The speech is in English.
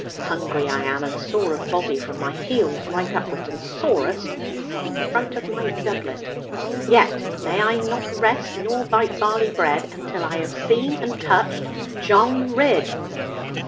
Hungry I am, and sore of body, from my heels right upward, and sorest in front of my doublet, yet may I not rest nor bite barley bread, until I have seen and touched John Ridd.